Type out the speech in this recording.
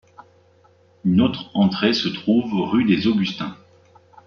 Une autre entrée se trouve rue des Augustins.